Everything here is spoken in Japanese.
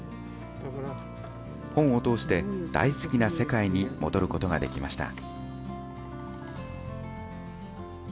本を通して、大好きな世界に戻ることができました。